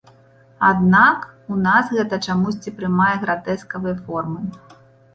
Аднак у нас гэта чамусьці прымае гратэскавыя формы.